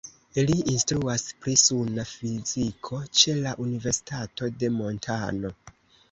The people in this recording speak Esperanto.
Li instruas pri suna fiziko ĉe la Universitato de Montano.